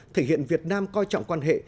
thể hiện việt nam coi trọng quan hệ